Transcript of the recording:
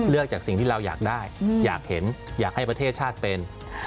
จากสิ่งที่เราอยากได้อยากเห็นอยากให้ประเทศชาติเป็น